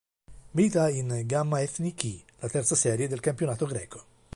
Milita in Gamma Ethniki, la terza serie del campionato greco.